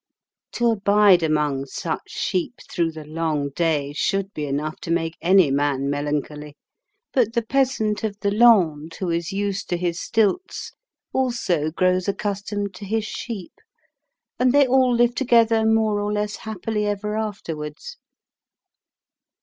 To abide among such sheep through the long day should be enough to make any man melancholy. But the peasant of the Landes, who is used to his stilts, also grows accustomed to his sheep, and they all live together more or less happily ever afterwards.